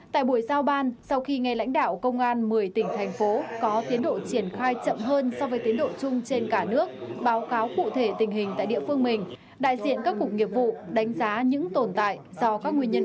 tại buổi giao ban sau khi nghe lãnh đạo công an một mươi tỉnh thành phố có tiến độ triển khai chậm hơn so với tiến độ chung trên cả nước báo cáo cụ thể tình hình tại địa phương mình đại diện các cục nghiệp vụ đánh giá những tồn tại